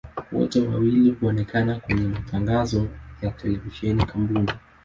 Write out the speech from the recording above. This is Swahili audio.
Wote wawili huonekana kwenye matangazo ya televisheni ya kampuni.